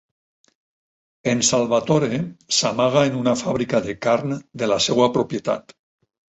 En Salvatore s'amaga en una fàbrica de carn de la seva propietat.